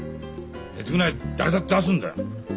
熱ぐらい誰だって出すんだよ。冷たい。